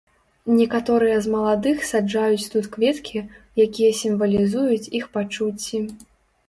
Некаторыя з маладых саджаюць тут кветкі, якія сімвалізуюць іх пачуцці.